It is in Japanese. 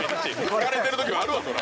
疲れてる時もあるわそら。